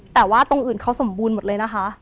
แต่ว่าตรงอื่นเขาสมบูรณ์หมดเลยนะคะ